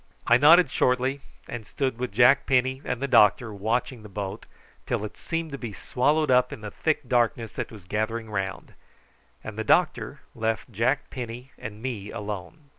I nodded shortly, and stood with Jack Penny and the doctor watching the boat till it seemed to be swallowed up in the thick darkness that was gathering round, and the doctor left Jack Penny and me alone.